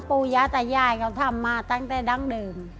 ปูยาแต่ย่ายเขาทำมาตั้งแต่ดังเดิม